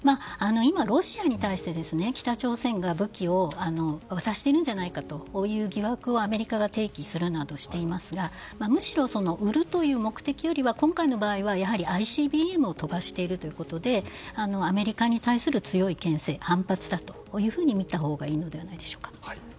今、ロシアに対して北朝鮮が武器を渡しているんじゃないかという疑惑をアメリカが提起するなどしていますがむしろ、売るという目的よりは今回の場合はＩＣＢＭを飛ばしているということでアメリカに対する強い牽制反発だというふうにみたほうがいいのではないのでしょうか。